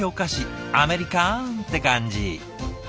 アメリカンって感じ。